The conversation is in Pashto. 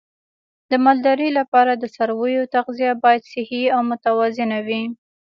د مالدارۍ لپاره د څارویو تغذیه باید صحي او متوازنه وي.